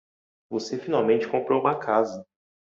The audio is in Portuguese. Você finalmente comprou uma casa.